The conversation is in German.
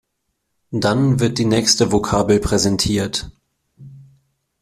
Dann wird die nächste Vokabel präsentiert.